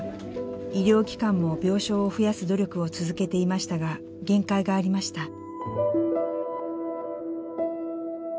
医療機関も病床を増やす努力を続けていましたが限界がありました。